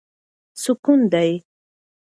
سکون دی.